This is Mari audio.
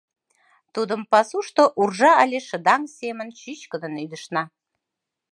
Тудым пасушто уржа але шыдаҥ семын чӱчкыдын ӱдышна.